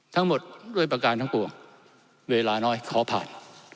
ทั้งหมดด้วยประการทั้งปวงเวลาน้อยขอผ่าน